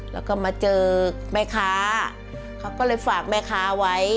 แล้วก็มาเจอแม่ค้าเขาก็เลยฝากแม่ค้าไว้